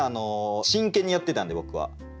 真剣にやってたんで僕は。